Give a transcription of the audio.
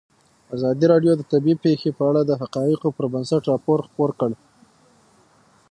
ازادي راډیو د طبیعي پېښې په اړه د حقایقو پر بنسټ راپور خپور کړی.